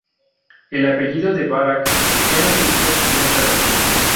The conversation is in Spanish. El apellido de Barac ya no existe en esta región.